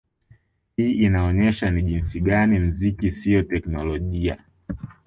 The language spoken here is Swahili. Hii inaonyesha ni jinsi gani mziki siyo teknolojia